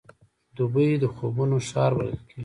دوبی د خوبونو ښار بلل کېږي.